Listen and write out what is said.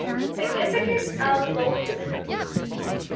SIGNIFICANCE OF BOLSHEVISM.